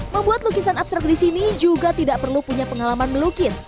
membuat lukisan abstrak di sini juga tidak perlu punya pengalaman melukis